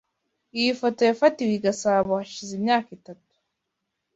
Iyi foto yafatiwe i Gasabo hashize imyaka itatu.